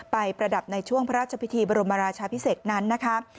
ประดับในช่วงพระราชพิธีบรมราชาพิเศษนั้นนะคะ